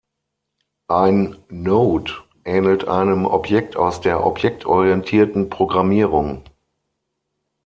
Ein Node ähnelt einem Objekt aus der objektorientierten Programmierung.